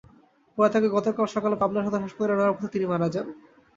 পরে তাঁকে গতকাল সকালে পাবনা সদর হাসপাতালে নেওয়ার পথে তিনি মারা যান।